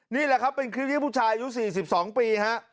นี่แหละครับเป็นคลิปที่ผู้ชายอายุ๔๒ปีฮะ